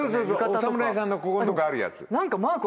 お侍さんのここんとこあるやつ。